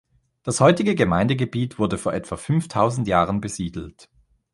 Das heutige Gemeindegebiet wurde vor etwa fünftausend Jahren besiedelt.